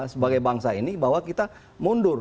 sebagai bangsa ini bahwa kita mundur